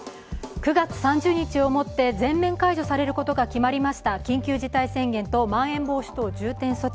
９月３０日をもって全面解除されることが決まりました、緊急事態宣言とまん延防止等重点措置。